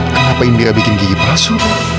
kenapa indira bikin gigi palsu